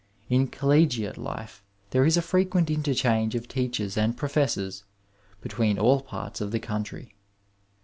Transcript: In ooUegiate life there is a freqtient interchange of teachers and professors between all parts of the country.